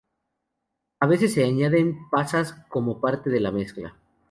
A veces se añaden pasas como parte de la mezcla.